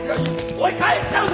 おい帰っちゃうぞ